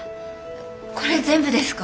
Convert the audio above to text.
これ全部ですか！？